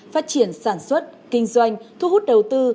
phát triển sản xuất kinh doanh thu hút đầu tư